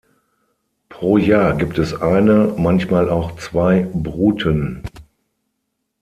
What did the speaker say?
Pro Jahr gibt es eine, manchmal auch zwei Bruten.